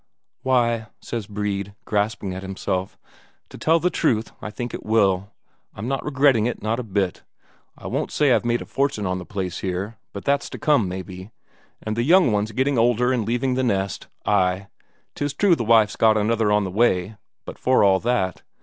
"Why," says Brede, grasping at it himself, "to tell the truth, I think it will. I'm not regretting it, not a bit. I won't say I've made a fortune on the place here, but that's to come, maybe; and the young ones getting older and leaving the nest ay, 'tis true the wife's got another on the way; but for all that...."